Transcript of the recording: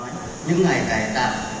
những ngày tài tạc